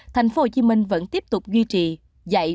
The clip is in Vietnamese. thành phố hồ chí minh vẫn tiếp tục duy trì dạy